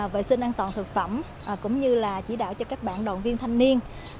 vệ sinh an toàn thực phẩm cũng như là chỉ đạo cho các bạn đoàn viên thanh niên